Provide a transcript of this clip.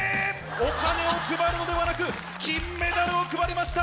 お金を配るのではなく金メダルを配りました！